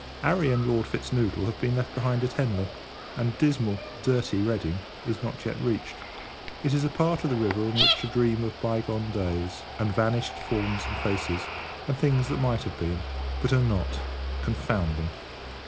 'Arry and Lord Fitznoodle have been left behind at Henley, and dismal, dirty Reading is not yet reached. It is a part of the river in which to dream of bygone days, and vanished forms and faces, and things that might have been, but are not, confound them.